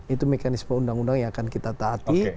itu mekanisme undang undang yang akan kita taati